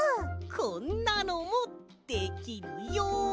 こんなのもできるよ。